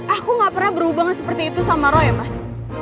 aku gak pernah berhubungan seperti itu sama roya mas